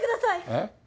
えっ？